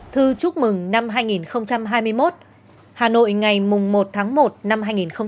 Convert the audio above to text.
thư chúc mừng năm hai nghìn hai mươi một hà nội ngày một tháng một năm hai nghìn hai mươi